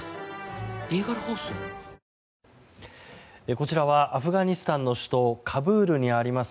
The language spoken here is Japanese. こちらはアフガニスタンの首都カブールにあります